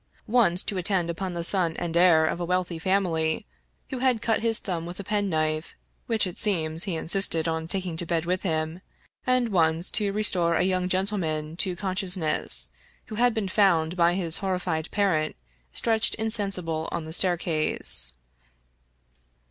Once, to attend upon the son and heir of a wealthy family, who had cut his thumb with a penknife, which, it seems, he insisted on taking to bed with him ; and once, to restore a young gentleman to consciousness, who had been found by his horrified parent stretched insensible on the staircase.